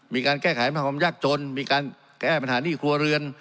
มีการแก้ไขแผ่นธรรมยักษ์จนมีการแก้ไขปัญหาหนี้ครัวเรือน